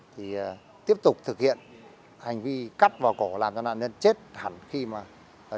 thì tiếp tục thực hiện hành vi cắt vào cổ làm cho nạn nhân chết hẳn khi mà